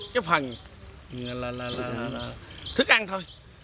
cái phần là thức ăn thôi